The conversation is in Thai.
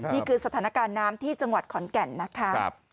นี่คือสถานการณ์น้ำที่จังหวัดขอนแก่นนะคะ